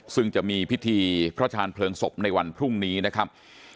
ซึ่งจะมีพิธีพระชาญเพลิงศพในวันพรุ่งนี้นะครับ